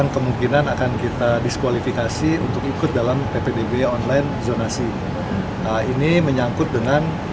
kemungkinan akan kita diskualifikasi untuk ikut dalam ppdb online zonasi ini menyangkut dengan